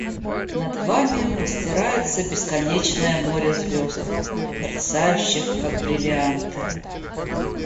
Над вами простирается бесконечное море звезд, мерцающих, как бриллианты.